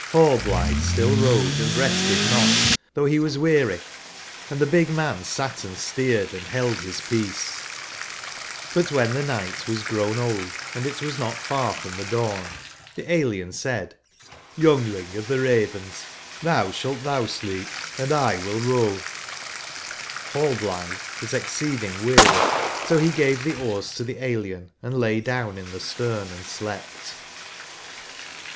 Rallblithe still rowed and rested not, though he was weary; and the big man sat and steered, and held his peace j0 But when the night was grown old and it was not far from the dawn, the alien said: ''Youngling of the Ravens, now shalt thou sleep and! will row/' JS Hallblithe was exceeding weary; so he gave the oars to the alien and lay down in the stem and slept.